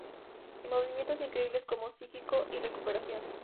Y movimientos increíbles como Psíquico y Recuperación.